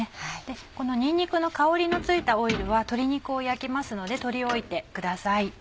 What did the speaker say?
このにんにくの香りのついたオイルは鶏肉を焼きますので取り置いてください。